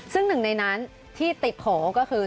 ซึ่งหนึ่งในนั้นที่ติดโผล่ก็คือ